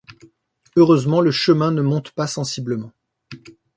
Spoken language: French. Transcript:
Heureusement le chemin ne monte pas sensiblement.